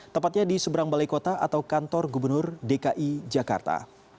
tepatnya di seberang balai kota atau kantor gubernur dki jakarta